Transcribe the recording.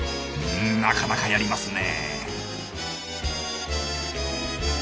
なかなかやりますね。